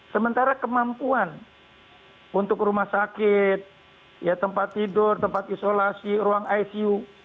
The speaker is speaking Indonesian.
sementara kemampuan untuk rumah sakit tempat tidur tempat isolasi ruang icu